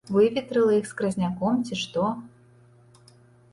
Выветрыла іх скразняком, ці што?!